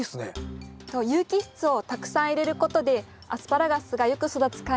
有機質をたくさん入れることでアスパラガスがよく育つ環境になるんです。